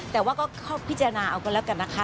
แต่ว่าก็พิจารณาเอากันแล้วกันนะคะ